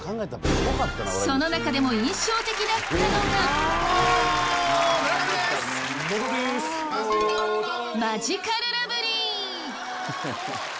その中でも印象的だったのがマヂカルラブリー！